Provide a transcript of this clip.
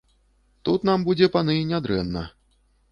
Тут нам будзе, паны, нядрэнна.